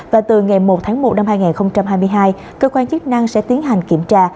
và từ ngày một tháng một năm hai nghìn hai mươi hai cơ quan chức năng sẽ tiến hành kiểm tra